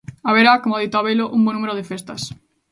Haberá, como adoita habelo, un bo número de festas.